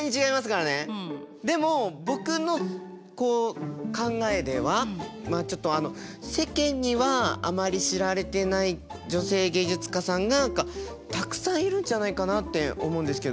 でも僕の考えでは世間にはあまり知られていない女性芸術家さんがたくさんいるんじゃないかなって思うんですけど。